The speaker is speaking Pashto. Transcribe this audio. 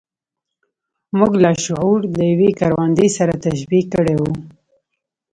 موږ لاشعور له يوې کروندې سره تشبيه کړی و.